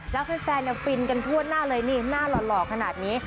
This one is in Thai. แล้วแฟนฟินกันทั่วหน้าเลยนี่หน้าหล่อขนาดนี้